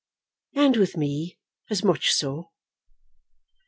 "And with me as much so."